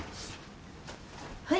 はい。